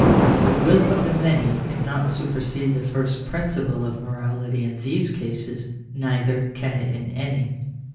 If the will of the many cannot supersede the first principle of morality in these cases, neither can it in any.